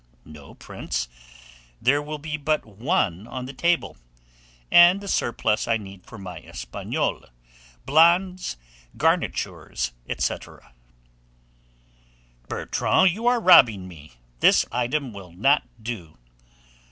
"No, Prince, there will be but one on the table, and the surplus I need for my Espagnole, blondes, garnitures, &c." "Bertrand, you are robbing me: this item will not do."